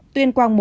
tuyên quang một